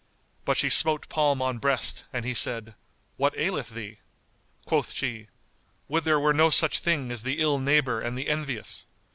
But she smote palm on breast and he said "What aileth thee?" Quoth she, "Would there were no such thing as the ill neighbour and the envious!